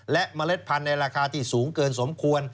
และเมล็ดพันธุ์ในราคาที่สูงเกินสมควร